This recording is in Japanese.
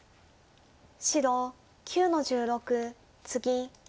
白９の十六ツギ。